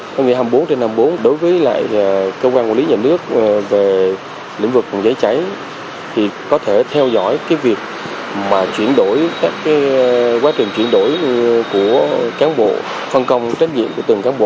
công nghệ hai mươi bốn trên hai mươi bốn đối với lại cơ quan quản lý nhà nước về lĩnh vực phòng cháy cháy thì có thể theo dõi cái việc mà chuyển đổi các quá trình chuyển đổi của cán bộ phân công trách nhiệm của từng cán bộ